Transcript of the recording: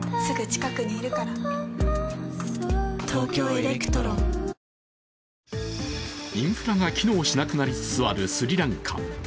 「ソフランウルトラゼロ」インフラが機能しなくなりつつあるスリランカ。